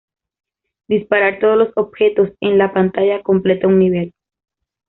Disparar todos los objetos en la pantalla completa un nivel.